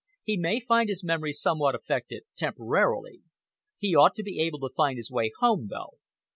"He may find his memory somewhat affected temporarily. He ought to be able to find his way home, though.